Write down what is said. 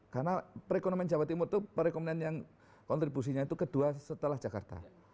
karena perekonomian jawa timur itu perekonomian yang kontribusinya itu kedua setelah jakarta